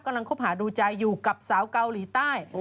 คบหาดูใจอยู่กับสาวเกาหลีใต้